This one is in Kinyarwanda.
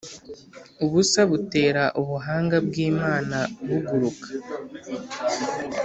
ubusa butera ubuhanga bw'imana buguruka